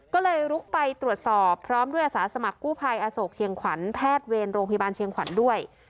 ก็เลยลุกไปตรวจสอบพร้อมด้วยอาสาสมัครกู้ภัยอโศกเชียงขวัญแพทย์เวรโรงพยาบาลเชียงขวัญด้วย